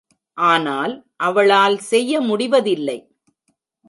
ஆனால் அவளால் செய்ய முடிவதில்லை.